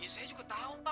ya saya juga tahu pak